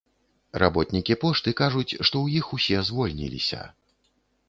Работнікі пошты кажуць, што ў іх усе звольніліся.